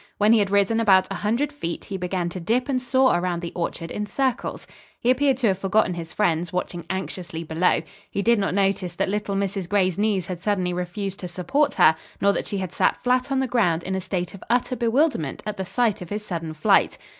When he had risen about a hundred feet, he began to dip and soar around the orchard in circles. He appeared to have forgotten his friends, watching anxiously below. He did not notice that little Mrs. Gray's knees had suddenly refused to support her, nor that she had sat flat on the ground in a state of utter bewilderment at the sight of his sudden flight.